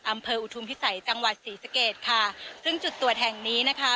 อำเภออุทุมพิสัยจังหวัดศรีสะเกดค่ะซึ่งจุดตรวจแห่งนี้นะคะ